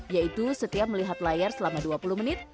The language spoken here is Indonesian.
yaitu setiap melihat layar selama dua puluh menit